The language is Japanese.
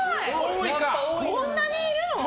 こんなにいるの？